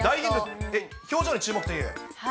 表情に注目という。